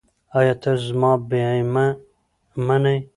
ایا تاسو زما بیمه منئ؟